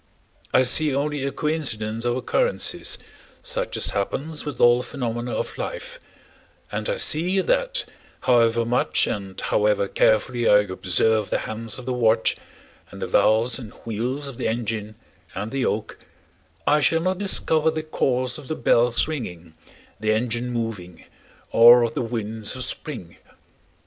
I see only a coincidence of occurrences such as happens with all the phenomena of life, and I see that however much and however carefully I observe the hands of the watch, and the valves and wheels of the engine, and the oak, I shall not discover the cause of the bells ringing, the engine moving, or of the winds of spring.